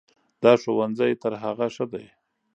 دا ښوونځی تر هغه ښه ده.